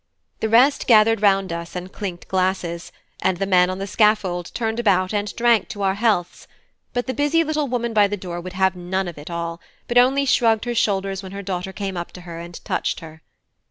The rest gathered round us and clinked glasses, and the men on the scaffold turned about and drank to our healths; but the busy little woman by the door would have none of it all, but only shrugged her shoulders when her daughter came up to her and touched her.